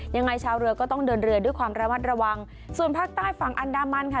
ชาวเรือก็ต้องเดินเรือด้วยความระมัดระวังส่วนภาคใต้ฝั่งอันดามันค่ะ